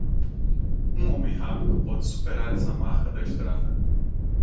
Um homem rápido pode superar essa marca da estrada.